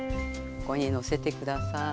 ここにのせて下さい。